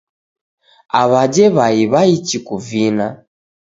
Aw'ajhe w'ai w'aichi kuvina.